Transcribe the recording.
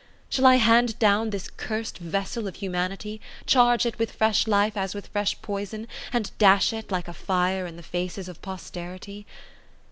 Shall I hand down this cursed vessel of humanity, charge it with fresh life as with fresh poison, and dash it, like a fire, in the faces of posterity?